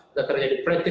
akan terjadi pressure